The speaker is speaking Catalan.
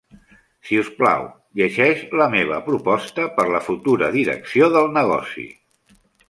Si us plau, llegeix la meva proposta per la futura direcció del negoci.